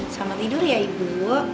selamat tidur ya ibu